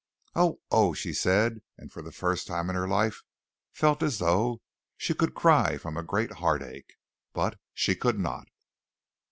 "Oh, oh," she said, and for the first time in her life felt as though she could cry from a great heartache but she could not.